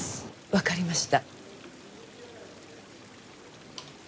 わかりました。